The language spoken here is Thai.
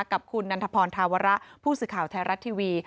กับคุณนันทพรธาวระผู้สื่อข่าวไทยรัฐทีวี